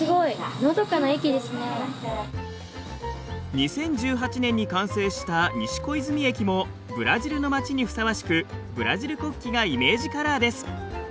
２０１８年に完成した西小泉駅もブラジルの町にふさわしくブラジル国旗がイメージカラーです。